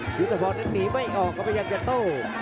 ยุทธฟรรณหนีไม่ออกเข้าไปยังเหนือโต